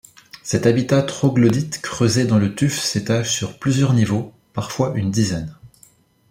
Cet habitat troglodyte creusé dans le tuf s'étage sur plusieurs niveaux, parfois une dizaine.